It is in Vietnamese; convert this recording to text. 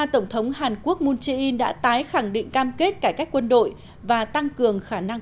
tổng thống hàn quốc moon jae in đã tái khẳng định cam kết cải cách quân đội và tăng cường khả năng